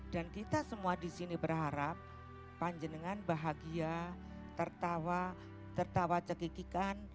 dan kita semua di sini berharap panjenengan bahagia tertawa tertawa cekikikan